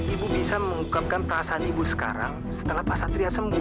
ibu bisa mengungkapkan perasaan ibu sekarang setelah pak satria sembuh